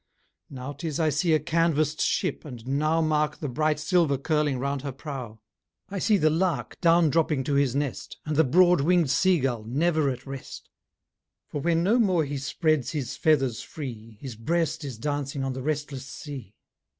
Now 'tis I see a canvass'd ship, and now Mark the bright silver curling round her prow. I see the lark down dropping to his nest. And the broad winged sea gull never at rest; For when no more he spreads his feathers free, His breast is dancing on the restless sea.